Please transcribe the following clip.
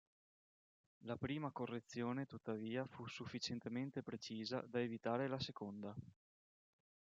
La prima correzione tuttavia fu sufficientemente precisa da evitare la seconda.